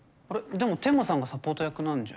でも天間さんがサポート役なんじゃ？